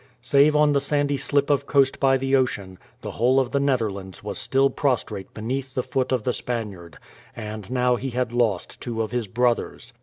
Save on the sandy slip of coast by the ocean, the whole of the Netherlands was still prostrate beneath the foot of the Spaniard; and now he had lost two of his brothers.